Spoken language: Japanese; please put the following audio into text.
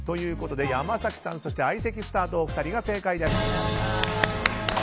山崎さん、相席スタートの２人が正解です。